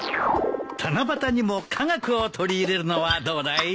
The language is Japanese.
七夕にも科学を取り入れるのはどうだい？